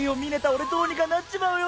俺どうにかなっちまうよ。